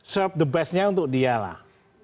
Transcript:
serve the bestnya untuk dialah